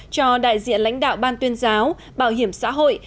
cho đại diện lãnh đạo ban tuyên giáo bảo hiểm xã hội